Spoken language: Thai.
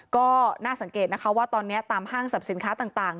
ก็น่าสังเกตนะคะว่าตอนนี้ตามห้างสรรพสินค้าต่าง